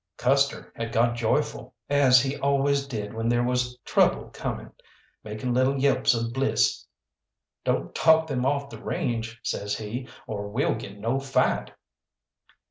Custer had got joyful, as he always did when there was trouble coming, making little yelps of bliss. "Don't talk them off the range," says he, "or we'll get no fight."